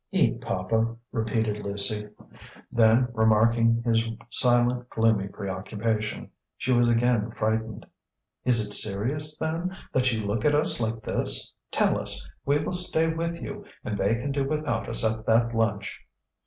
"Eat, papa," repeated Lucie. Then, remarking his silent gloomy preoccupation, she was again frightened. "Is it serious, then, that you look at us like this? Tell us; we will stay with you, and they can do without us at that lunch."